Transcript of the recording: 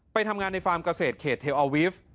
ไปทำงานในฟาร์มเกษตรเขตเทลอาวิฟต์